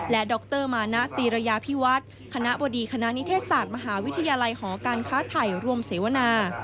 และดรมานะตีระยาพิวัฒน์คณะบดีคณะนิเทศศาสตร์มหาวิทยาลัยหอการค้าไทยรวมเสวนา